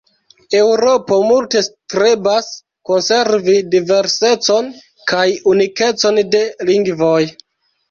Eŭropo multe strebas konservi diversecon kaj unikecon de lingvoj.